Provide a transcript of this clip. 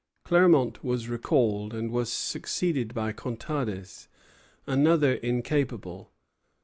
Clermont was recalled, and was succeeded by Contades, another incapable.